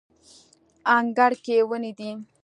انګړ کې ونې دي